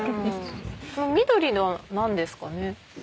緑のは何ですかね？